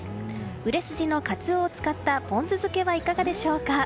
売れ筋のカツオを使ったポン酢漬けはいかがでしょうか。